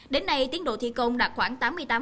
đến nay tiến độ thi công đạt khoảng tám mươi tám